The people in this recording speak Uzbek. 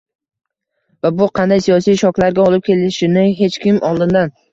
va bu qanday siyosiy shoklarga olib kelishini hech kim oldindan